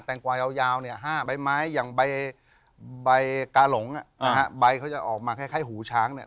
แตงกวายยาวห้ามใบอย่างใบกาหลงใบเขาจะออกมาคล้ายหูช้างเนี่ย